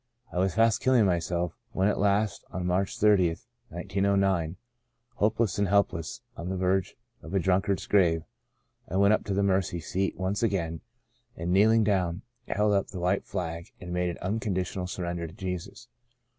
I was fast killing myself when at last on March 30, 1909, hopeless and helpless, on the verge of a drunkard's grave, I went up to the mercy seat once again and kneel ing down, held up the white flag and made an unconditional surrender to Jesus.